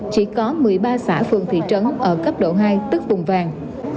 chỉ có một mươi ba xã phường thị trấn ở cấp độ hai tức vùng vàng